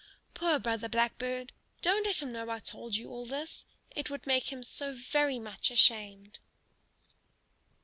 Poor Brother Blackbird! Don't let him know I told you all this; it would make him so very much ashamed.